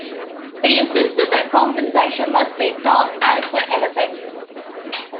He insisted that compensation must be "prompt, adequate and effective".